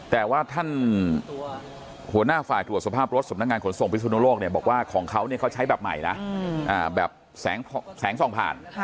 แต่ว่าท่านหัวหน้าฝ่ายตรวจสภาพรถสำนักงานขนส่งพิสุนโลกเนี่ยบอกว่าของเขาเขาใช้แบบใหม่นะแบบแสงส่องผ่าน